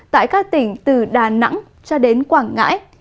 tại các tỉnh từ đà nẵng cho đến quảng ngãi